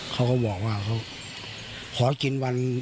เขาก็บอกว่าเขาขอกินวัน